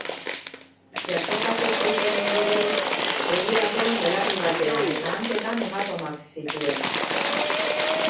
Jasotako kolpeen ondorioz, begi batean, belarri batean eta hanketan hematomak zituen.